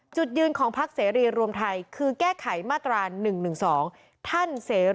จุดยืนของภาคเสรีรวมไทยคือแก้ไขมาตรา๑๑๒